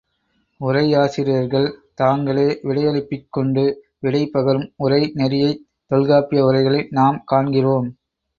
உரையாசிரியர்கள் தாங்களே விடையெழுப்பிக் கொண்டு விடை பகரும் உரை நெறியைத் தொல்காப்பிய உரைகளில் நாம் காண்கிறோம்.